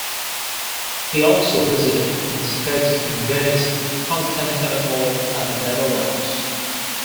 He also visited and sketched in Venice, Constantinople and the Netherlands.